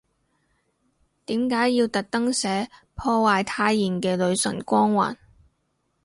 點解要特登寫，破壞太妍嘅女神光環